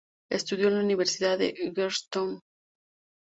Estudió en la Universidad de Georgetown.